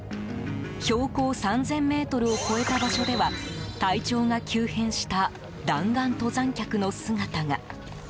標高３０００ｍを超えた場所では体調が急変した弾丸登山客の姿が。